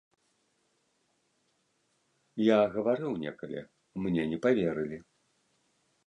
Я гаварыў некалі, мне не паверылі.